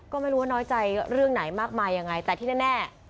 ก็ไม่รู้ว่าน้อยใจเรื่องไหนมากมายยังไงแต่ที่แน่